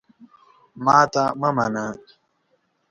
ماته مه منه !